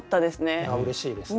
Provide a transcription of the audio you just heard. いやうれしいですね。